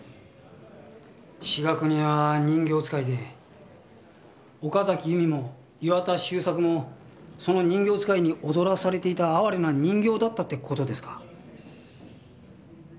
志賀邦枝は人形遣いで岡崎由美も岩田修作もその人形遣いに踊らされていた哀れな人形だったって事ですか？